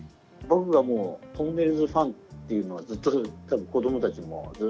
僕がもうとんねるずファンっていうのはずっと多分子どもたちもずっと。